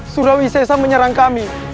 surawi sesa menyerang kami